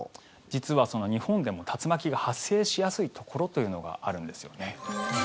実は日本でも竜巻が発生しやすいところというのがあるんですよね。